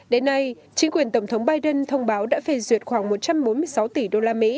đến nay chính quyền tổng thống biden thông báo đã phê duyệt khoảng một trăm bốn mươi sáu tỷ usd